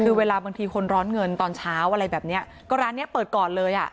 คือเวลาบางทีคนร้อนเงินตอนเช้าอะไรแบบเนี้ยก็ร้านเนี้ยเปิดก่อนเลยอ่ะ